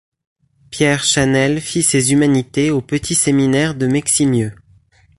Pierre Chanel fit ses humanités au petit séminaire de Meximieux.